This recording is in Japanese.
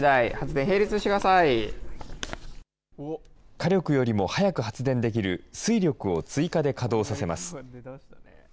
火力よりも早く発電できる水力を追加で稼働させます。